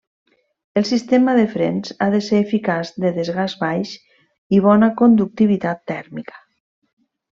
El sistema de frens ha de ser eficaç, de desgast baix i bona conductivitat tèrmica.